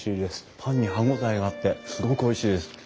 パンに歯応えがあってすごくおいしいです。